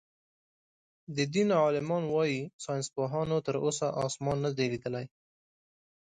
د دين عالمان وايي ساينسپوهانو تر اوسه آسمان نۀ دئ ليدلی.